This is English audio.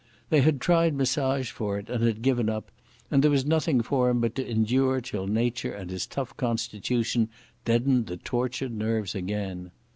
They had tried massage for it and given it up, and there was nothing for him but to endure till nature and his tough constitution deadened the tortured nerves again.